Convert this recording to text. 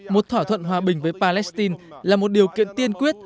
một thỏa thuận hòa bình với palestine là một điều kiện tiên quyết